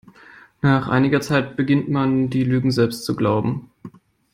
Nach einiger Zeit beginnt man, die Lügen selbst zu glauben.